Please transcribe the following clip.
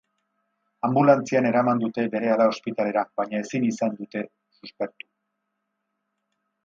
Anbulantzian eraman dute berehala ospitalera, baina ezin izan dute suspertu.